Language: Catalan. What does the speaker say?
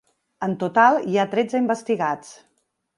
En total, hi ha tretze investigats.